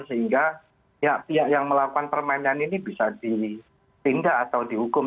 sehingga pihak pihak yang melakukan permainan ini bisa ditindak atau dihukum